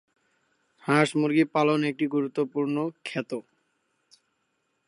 হাঁস-মুরগী পালন একটি গুরুত্বপূর্ণ খাত।